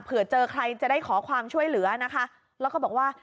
เผื่อเจอใครจะได้ขอความช่วยเหลือนะคะแล้วก็บอกว่า